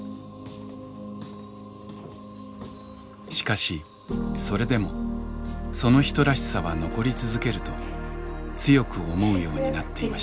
しかしそれでもその人らしさは残り続けると強く思うようになっていました。